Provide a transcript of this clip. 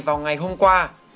vào ngày hôm qua